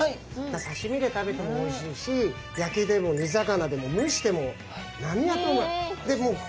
さしみで食べてもおいしいし焼きでも煮魚でも蒸しても何やってもうまい。